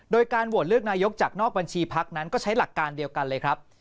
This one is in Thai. โดยการโหวตเลือกนายกจากนอกบัญชีพักนั้นก็ใช้หลักการเดียวกันเลยครับ